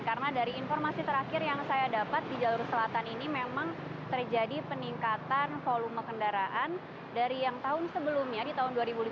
karena dari informasi terakhir yang saya dapat di jalur selatan ini memang terjadi peningkatan volume kendaraan dari yang tahun sebelumnya di tahun dua ribu lima belas